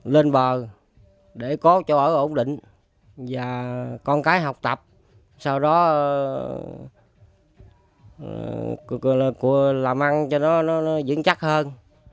lên bờ để có chỗ ở ổn định và con cái học tập sau đó làm ăn cho nó dững chắc hơn